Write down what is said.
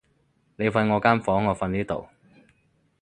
你瞓我間房，我瞓呢度